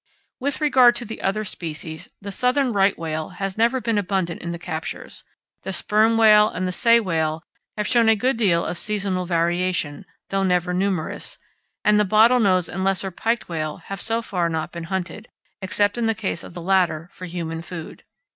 With regard to the other species, the southern right whale has never been abundant in the captures, the sperm whale and the sei whale have shown a good deal of seasonal variation, though never numerous, and the bottlenose and lesser piked whale have so far not been hunted, except in the case of the latter for human food.